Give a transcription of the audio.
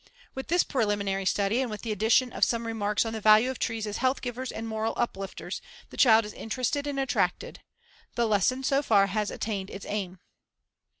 With this preliminary study and with the addition of some remarks on the value of trees as health givers and moral uplifters, the child is interested and attracted. The lesson so far has attained its aim.